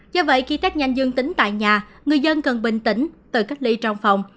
do vậy khi tết nhanh dân tính tại nhà người dân cần bình tĩnh từ cách ly trong phòng